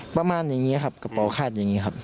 ประมาณอย่างนี้ครับกระเป๋าคาดอย่างนี้ครับ